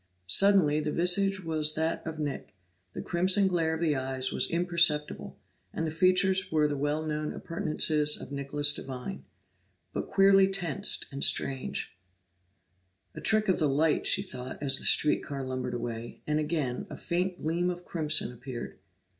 Suddenly the visage was that of Nick; the crimson glare of the eyes was imperceptible, and the features were the well known appurtenances of Nicholas Devine, but queerly tensed and strained. "A trick of the light," she thought, as the street car lumbered away, and again a faint gleam of crimson appeared.